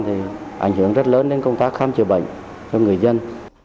thì ảnh hưởng rất lớn đến công tác khám chữa bệnh cho người dân